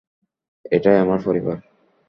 এটাই আমার পরিবার।